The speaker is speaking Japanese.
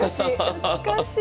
懐かしい。